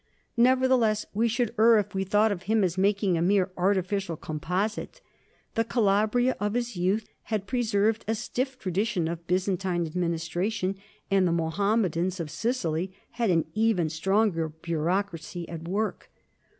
Nevertheless we should err if we thought of him as making a mere artificial composite. The Calabria of his youth had preserved a stiff tradition of Byzantine administration, and the Mohammedans of Sicily had an even stronger bureaucracy at work.